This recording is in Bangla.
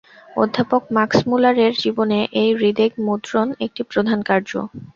অধ্যাপক ম্যাক্সমূলারের জীবনে এই ঋগ্বেদ-মুদ্রণ একটি প্রধান কার্য।